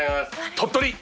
鳥取。